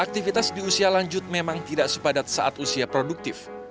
aktivitas di usia lanjut memang tidak sepadat saat usia produktif